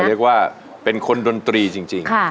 เรียกว่าเป็นคนดนตรีจริง